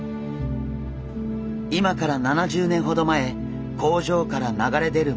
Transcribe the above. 今から７０年ほど前工場から流れ出る